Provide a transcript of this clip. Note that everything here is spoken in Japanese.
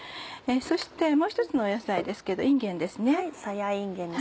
そしてもう１つの野菜ですけどいんげんですね。